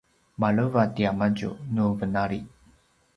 maleva tiamadju nu venali